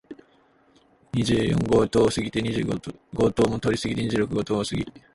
二十四号棟を過ぎて、二十五号棟も通り過ぎて、二十六号棟を過ぎ、